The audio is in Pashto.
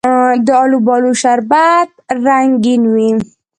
د الوبالو شربت رنګین وي.